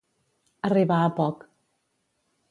Arribar a poc.